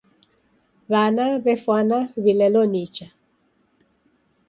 W'ana w'efwana w'ilelo nicha.